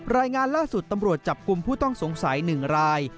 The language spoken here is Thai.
รายงานล่าสุดตำรวจจับกลุ่มผู้ต้องสงสัย๑ราย